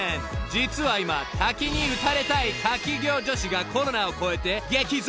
［実は今滝に打たれたい滝行女子がコロナをこえて激増］